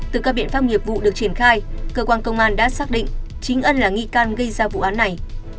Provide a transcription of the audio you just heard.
từ các biện pháp nghiệp vụ được triển khai cơ quan công an đã xác định chính ân là nghi can gây ra vụ án này